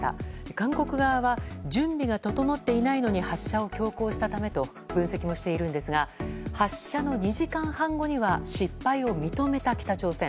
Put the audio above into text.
韓国側は準備が整っていないのに発射を強行したためと分析もしているんですが発射の２時間半後には失敗を認めた北朝鮮。